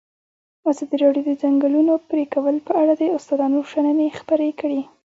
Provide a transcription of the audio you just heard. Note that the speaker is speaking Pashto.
ازادي راډیو د د ځنګلونو پرېکول په اړه د استادانو شننې خپرې کړي.